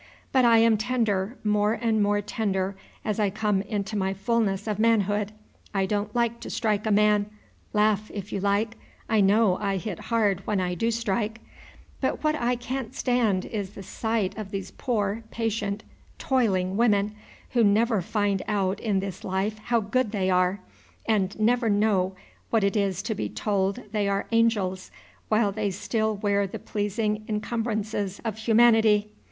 But I am tender, more and more tender as I come into my fulness of manhood. I don't like to strike a man, (laugh, if you like, I know I hit hard when I do strike,) but what I can't stand is the sight of these poor, patient, toiling women, who never find out in this life how good they are, and never know what it is to be told they are angels while they still wear the pleasing incumbrances of humanity.